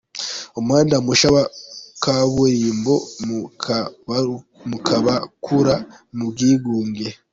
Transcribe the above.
Umuhanda mushya wa kaburimbo mu kubakura mu bwigunge